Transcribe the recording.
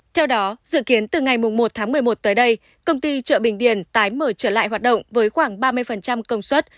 theo đó dự kiến từ ngày một tháng một mươi một tới đây công ty chợ bình điền tái mở trở lại hoạt động với khoảng ba mươi công suất